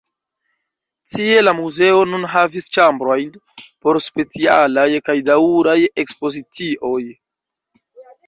Tie la muzeo nun havis ĉambrojn por specialaj kaj daŭraj ekspozicioj.